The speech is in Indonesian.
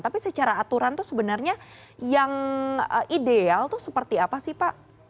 tapi secara aturan itu sebenarnya yang ideal itu seperti apa sih pak